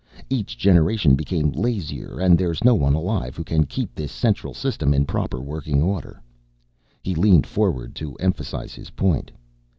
Each generation became lazier and there's no one alive who can keep this Central System in proper working order." He leaned forward to emphasize his point.